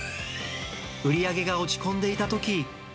売り上げが落ち込んでいたとき。